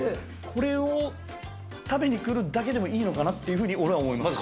これを食べにくるだけでもいいのかなっていうふうに、俺は思います。